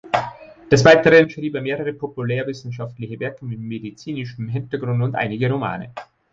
Des Weiteren schrieb er mehrere populärwissenschaftliche Werke mit medizinischem Hintergrund und einige Romane.